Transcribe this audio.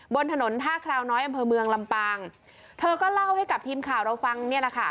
บนถนนท่าคราวน้อยอำเภอเมืองลำปางเธอก็เล่าให้กับทีมข่าวเราฟังเนี่ยแหละค่ะ